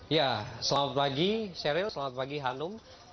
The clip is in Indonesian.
ya selamat pagi seril selamat pagi hanum